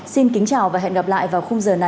xin kính chào và hẹn gặp lại vào khung giờ này ngày mai